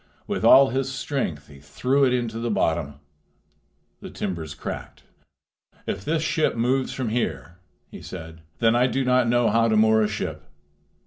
With all his strength he threw it into the bottom. The timbers cracked. "If this ship moves from here," he said, "then I do not know how to moor a ship.